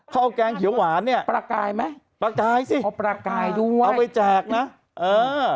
เขาเอาแกงเขียวหวานเนี่ยปลากายไหมปลากายสิเอาปลากายด้วยเอาไปแจกนะเออ